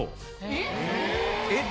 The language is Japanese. えっ？